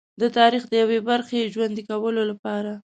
د تاریخ د یوې برخې ژوندي کولو لپاره.